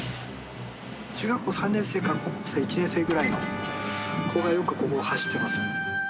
中学校３年生か高校１年生ぐらいの子がよくここを走っていますね。